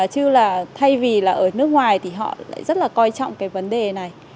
chứ là thay vì là ở nước ngoài thì họ lại rất là coi trọng cái vấn đề này